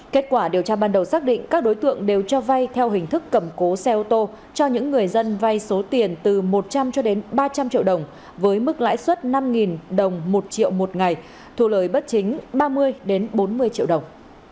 kết quả điều tra ban đầu xác định các đối tượng đều cho vay theo hình thức cẩm cố xe ô tô cho những người dân vay số tiền từ một trăm linh cho đến ba trăm linh triệu đồng với mức lãi suất năm đồng một triệu một ngày thu lời bất chính ba mươi bốn mươi triệu đồng